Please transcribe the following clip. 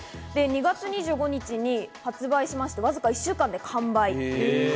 ２月２５日に発売しましてわずか１週間で完売。